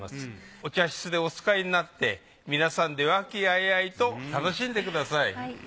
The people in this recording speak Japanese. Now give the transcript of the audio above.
お茶室でお使いになって皆さんで和気あいあいと楽しんでください。